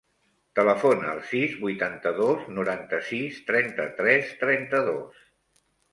Telefona al sis, vuitanta-dos, noranta-sis, trenta-tres, trenta-dos.